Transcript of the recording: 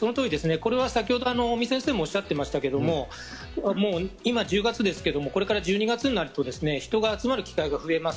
これは先ほど尾身先生もおっしゃってましたけども、今１０月ですけれども、これから１２月になると人が集まる機会が増えます。